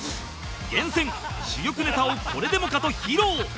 厳選珠玉ネタをこれでもかと披露